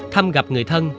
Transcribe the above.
thăm gặp người thân